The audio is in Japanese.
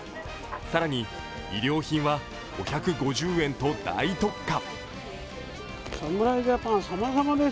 更に、衣料品は５５０円と大特価。